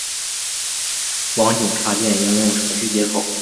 网景插件应用程序接口。